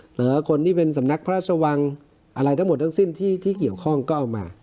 หรือคนที่เป็นสำนักพระราชวังอะไรทั้งหมดทั้งสิ้นที่เกี่ยวข้องก็เอามา